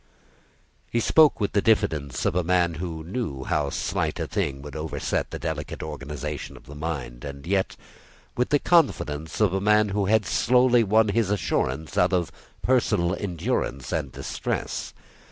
He spoke with the diffidence of a man who knew how slight a thing would overset the delicate organisation of the mind, and yet with the confidence of a man who had slowly won his assurance out of personal endurance and distress.